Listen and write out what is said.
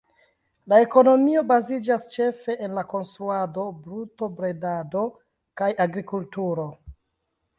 La ekonomio baziĝas ĉefe en la konstruado, brutobredado kaj agrikulturo.